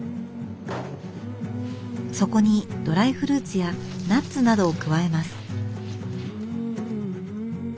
そこにドライフルーツやナッツなどを加えます。